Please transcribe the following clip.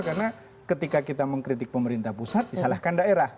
karena ketika kita mengkritik pemerintah pusat disalahkan daerah